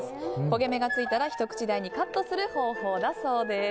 焦げ目がついたら、ひと口大にカットする方法だそうです。